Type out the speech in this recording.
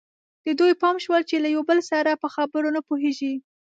د دوی پام شول چې له یو بل سره په خبرو نه پوهېږي.